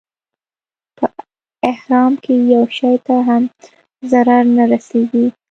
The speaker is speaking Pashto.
په احرام کې یو شي ته هم ضرر نه رسېږي.